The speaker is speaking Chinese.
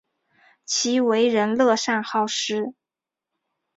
其为人乐善好施。